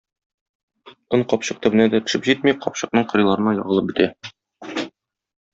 Он капчык төбенә дә төшеп җитми, капчыкның кырыйларына ягылып бетә.